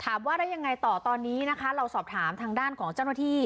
ว่าแล้วยังไงต่อตอนนี้นะคะเราสอบถามทางด้านของเจ้าหน้าที่